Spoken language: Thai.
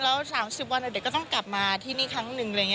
แล้ว๓๐วันเดี๋ยวก็ต้องกลับมาที่นี่ครั้งหนึ่ง